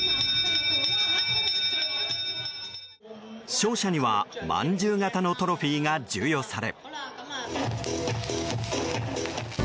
勝者には、まんじゅう型のトロフィーが授与され。